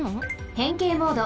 へんけいモード。